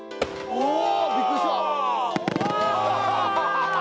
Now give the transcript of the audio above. おお！